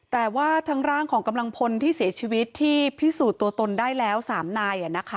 แต่ว่าทั้งร่างของกำลังพลที่เสียชีวิตที่พิสูจน์ตัวตนได้แล้ว๓นาย